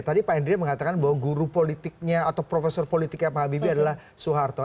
tadi pak hendri mengatakan bahwa guru politiknya atau profesor politiknya pak habibie adalah soeharto